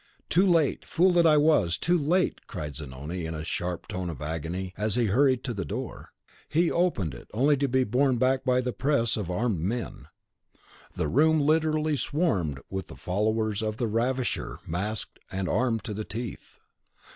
"Too late! fool that I was, too late!" cried Zanoni, in a sharp tone of agony, as he hurried to the door. He opened it, only to be borne back by the press of armed men. The room literally swarmed with the followers of the ravisher, masked, and armed to the teeth.